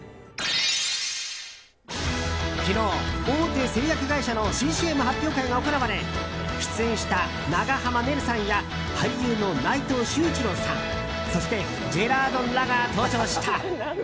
昨日、大手製薬会社の新ＣＭ発表会が行われ出演した長濱ねるさんや俳優の内藤秀一郎さんそして、ジェラードンらが登場した。